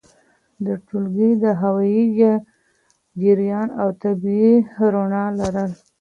د ټولګي د هوايي جریان او طبیعي رؤڼا لرل!